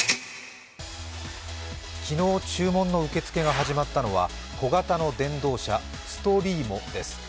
昨日注文の受付が始まったのは小型の電動車、Ｓｔｒｉｅｍｏです。